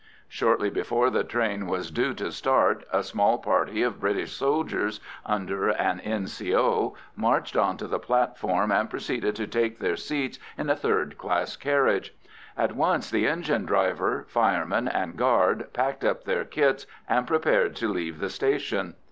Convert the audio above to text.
Shortly before the train was due to start a small party of British soldiers, under a N.C.O., marched on to the platform, and proceeded to take their seats in a third class carriage. At once the engine driver, fireman, and guard packed up their kits and prepared to leave the station.